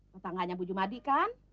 pasangannya bu jumadi kan